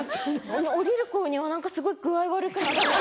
降りる頃には何かすごい具合悪くなっちゃって。